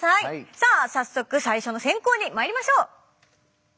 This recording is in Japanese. さあ早速最初の選考にまいりましょう。